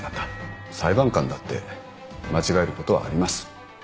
裁判官だって間違えることはあります。